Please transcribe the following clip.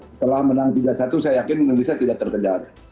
setelah menang tiga satu saya yakin indonesia tidak terkejar